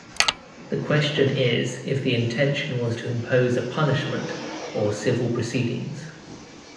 The question is if the intention was to impose a punishment or "civil proceedings".